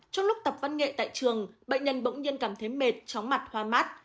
trong lúc tập văn nghệ tại trường bệnh nhân bỗng nhiên cảm thấy mệt chóng mặt hoa mát